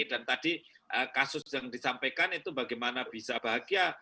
dan tadi kasus yang disampaikan itu bagaimana bisa bahagia